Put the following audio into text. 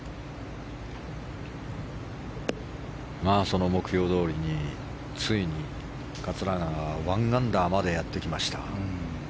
その目標どおりについに桂川は１アンダーまでやってきました。